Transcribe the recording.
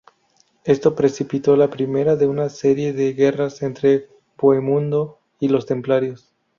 Esto precipitó la primera de una serie de guerras entre Bohemundo y los templarios.